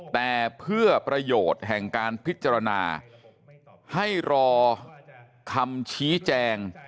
แต่เพื่อประโยชน์แห่งการพิจารณาให้รอคำชี้แจง